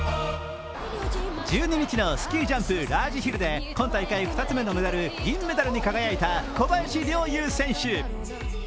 １２日のスキージャンプ・ラージヒルで今大会２つ目のメダル・銀メダルに輝いた小林陵侑選手。